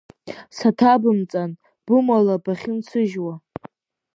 Саҭабымҵан, бымала бахьынсыжьуа!